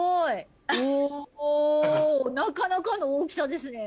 おなかなかの大きさですね。